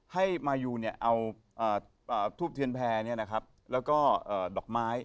ให้มายูเนี่ยเอาทูปเทียนแพ้เนี่ยนะครับแล้วก็ดอกไม้